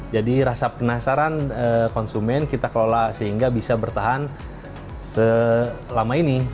jadi rasa penasaran konsumen kita kelola sehingga bisa bertahan selama ini